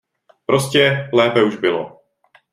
Prostě - lépe už bylo.